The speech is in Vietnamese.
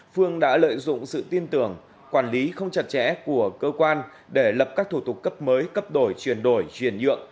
phương đã lợi dụng sự tin tưởng quản lý không chặt chẽ của cơ quan để lập các thủ tục cấp mới cấp đổi truyền đổi truyền dựng